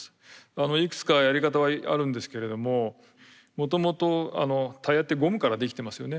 いくつかやり方はあるんですけれどももともとタイヤってゴムから出来てますよね。